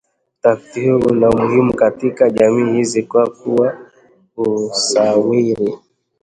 Utafiti huu una umuhimu katika jamii hizi kwa kuwa usawiri